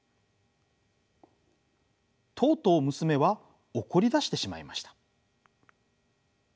とうとう娘は怒りだしてしまいました。